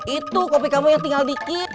itu kopi kamu yang tinggal dikit